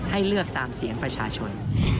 ให้เลือกตามเสียงประชาชน